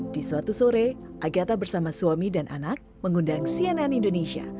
di suatu sore agatha bersama suami dan anak mengundang cnn indonesia